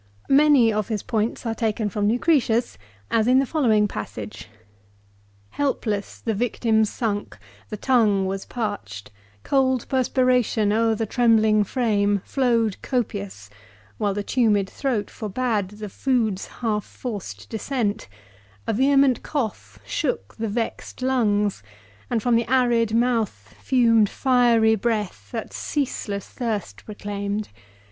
Many of his points are taken from Lu cretius, as in the following passage : Helpless the victims sunk ; the tonjp^e was parched ; Cold perspiration o'er the trembling frame Flowed copious ; while the tumid throat forbade The food's half forced descent ; a vehement cough Shook the vexed lungs ; and from the arid mouth Fumed fiery breath, that ceaseless thirst proclaimed.